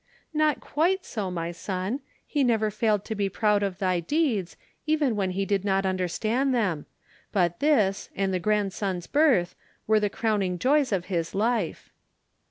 "Not quite so, my son. He never failed to be proud of thy deeds, even when he did not understand them; but this, and the grandson's birth, were the crowning joys of his life."